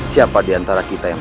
siapa diantara kita yang